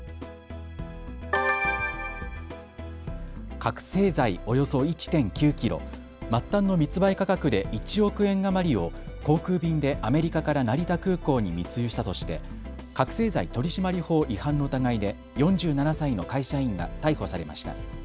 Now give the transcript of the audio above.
覚醒剤およそ１．９キロ、末端の密売価格で１億円余りを航空便でアメリカから成田空港に密輸したとして覚醒剤取締法違反の疑いで４７歳の会社員が逮捕されました。